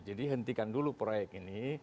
jadi hentikan dulu proyek ini